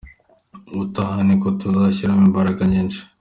Ubutaha ni uko tuzashyiramo imbaraga nyinshi.